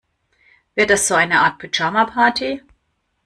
Wird das so eine Art Pyjama-Party?